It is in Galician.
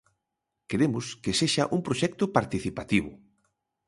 Queremos que sexa un proxecto participativo.